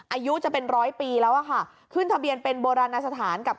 อายุจะเป็นร้อยปีแล้วอะค่ะขึ้นทะเบียนเป็นโบราณสถานกับ